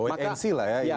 woyensi lah ya ini berarti ya